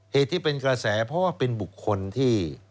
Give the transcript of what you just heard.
เหตุที่เป็นกระแสเพราะว่าเป็นบุคคลที่